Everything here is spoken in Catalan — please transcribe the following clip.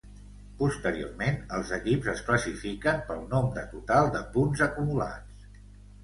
Posteriorment, els equips es classifiquen pel nombre total de punts acumulats.